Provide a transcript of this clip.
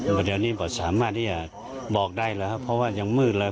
แต่เดี๋ยวนี้ก็สามารถที่จะบอกได้แล้วครับเพราะว่ายังมืดแล้ว